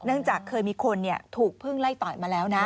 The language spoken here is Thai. จากเคยมีคนถูกพึ่งไล่ต่อยมาแล้วนะ